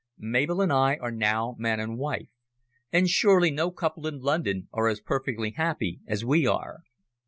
Mabel and I are now man and wife, and surely no couple in London are as perfectly happy as we are.